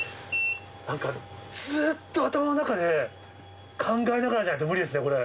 なんか、ずっと頭の中で考えながらじゃないと無理ですよね、これ。